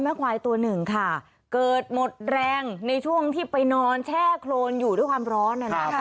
ควายตัวหนึ่งค่ะเกิดหมดแรงในช่วงที่ไปนอนแช่โครนอยู่ด้วยความร้อน